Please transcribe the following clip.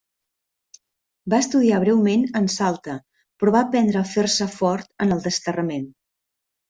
Va estudiar breument en Salta però va aprendre a fer-se fort en el desterrament.